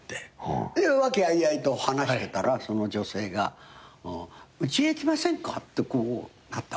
和気あいあいと話してたらその女性が「うちへ来ませんか？」ってなったわけ。